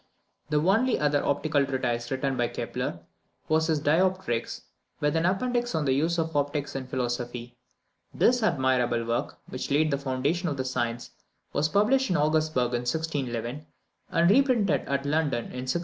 The only other optical treatise written by Kepler, was his Dioptrics, with an appendix on the use of optics in philosophy. This admirable work, which laid the foundation of the science, was published at Augsburg in 1611, and reprinted at London in 1653.